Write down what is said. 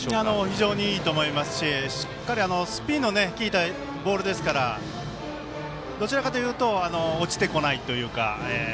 非常にいいと思いますししっかりスピンの利いたボールですからどちらかというと落ちてこないというか。